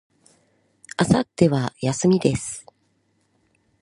明後日は、休みです。